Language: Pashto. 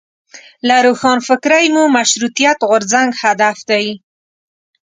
له روښانفکرۍ مو مشروطیت غورځنګ هدف دی.